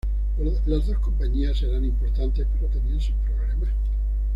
Las dos compañías eran importantes pero tenían sus problemas.